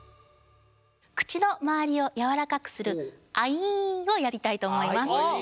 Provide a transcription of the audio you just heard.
口の周りをやわらかくするアイーンをやりたいと思います。